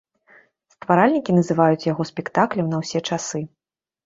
Стваральнікі называюць яго спектаклем на ўсе часы.